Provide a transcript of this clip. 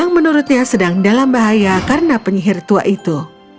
yang menurutnya sedang dalam bahaya karena penyihir tua itu